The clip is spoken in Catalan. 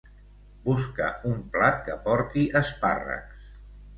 Busca un plat que porti espàrrecs.